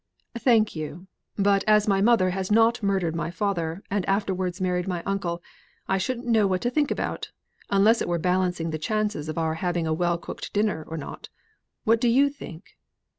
"Thank you. But as my mother has not murdered my father, and afterwards married my uncle, I shouldn't know what to think about, unless it were balancing the chances of our having a well cooked dinner or not. What do you think?"